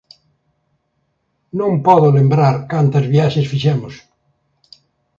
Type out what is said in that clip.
Non podo lembrar cantas viaxes fixemos...